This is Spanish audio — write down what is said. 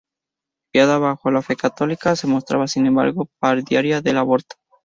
Criada bajo la fe católica se mostraba, sin embargo, partidaria del aborto.